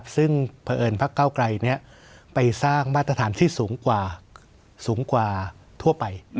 ซึ่งภภเก้าไกรเนี่ยไปสร้างมาตรฐานที่สูงกว่าทั่วไป